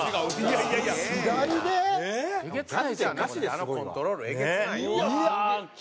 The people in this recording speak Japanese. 「あのコントロールえげつないな」